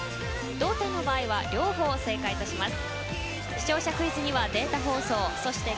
同点の場合は両方正解とします。